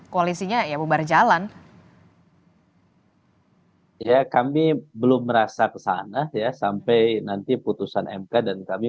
koalisinya ya bubar jalan ya kami belum merasa kesana ya sampai nanti putusan mk dan kami